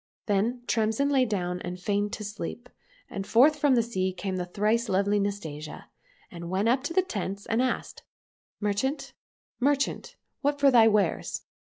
" Then Tremsin lay down and feigned to sleep, and forth from the sea came the thrice lovely Nastasia, and went up to the tents and asked, *' Merchant, merchant, what for thy wares